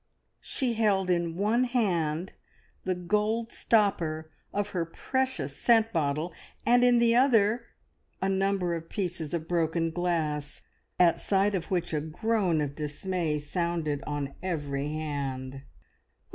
She held in one hand the gold stopper of her precious scent bottle, and in the other a number of pieces of broken glass, at sight of which a groan of dismay sounded on every hand.